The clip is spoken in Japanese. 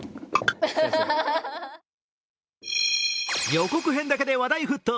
予告編だけで話題沸騰。